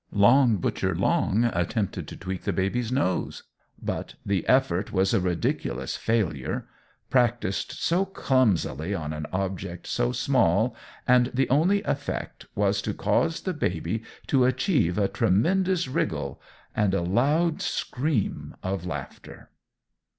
Long Butcher Long attempted to tweak the baby's nose; but the effort was a ridiculous failure, practiced so clumsily on an object so small, and the only effect was to cause the baby to achieve a tremendous wriggle and a loud scream of laughter.